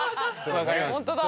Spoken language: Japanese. ホントだ。